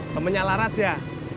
kamu menyala ras ya